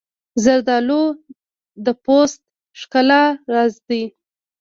زردالو د پوست د ښکلا راز دی.